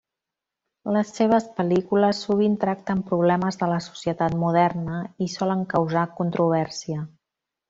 Les seves pel·lícules sovint tracten problemes de la societat moderna, i solen causar controvèrsia.